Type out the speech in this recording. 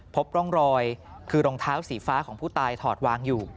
พบร่องรอยคือรองเท้าสีฟ้าของผู้ตายถอดวางอยู่